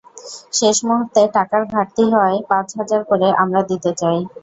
শেষ মুহূর্তে টাকার ঘাটতি হওয়ায় পাঁচ হাজার করে আমরা দিতে চাই।